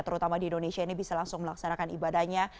terutama di indonesia ini bisa langsung melaksanakan ibadahnya